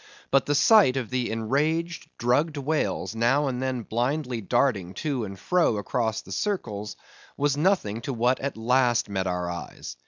But the sight of the enraged drugged whales now and then blindly darting to and fro across the circles, was nothing to what at last met our eyes.